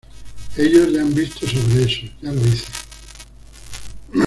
Ellos ya han visto sobre eso, ya lo hice.